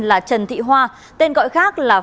là trần thị hoa tên gọi khác là